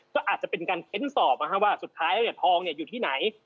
ก็อาจจะเป็นการเค้นสอบว่าสุดท้ายแล้วทองอยู่ที่ไหน